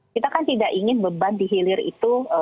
kita kan tidak ingin beban dihilir itu